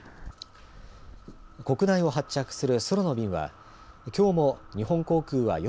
国内を発着する空の便はきょうも日本航空は４３